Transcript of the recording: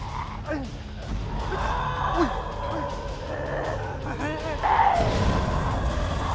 บ๊วย